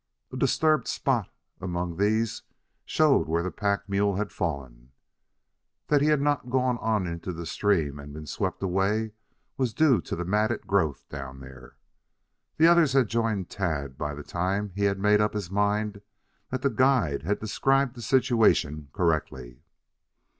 A disturbed spot among these showed where the pack mule had fallen. That he had not gone on into the stream and been swept away was due to the matted growth down there. The others had joined Tad by the time he had made up his mind that their guide had described the situation correctly.